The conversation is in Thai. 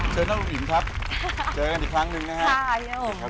เชิญท่านอุ้มอิ่มครับเจอกันอีกครั้งหนึ่งนะฮะ